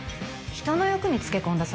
人の欲につけ込んだ